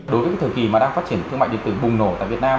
đối với thời kỳ mà đang phát triển thương mại điện tử bùng nổ tại việt nam